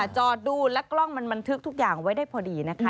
จอดดูและกล้องมันบันทึกทุกอย่างไว้ได้พอดีนะคะ